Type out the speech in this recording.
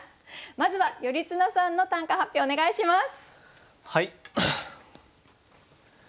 まずは頼綱さんの短歌発表お願いします。